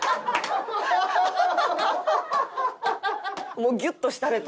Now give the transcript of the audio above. もうギュッとしたれと。